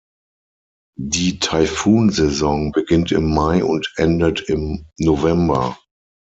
Die Taifun-Saison beginnt im Mai und endet im November.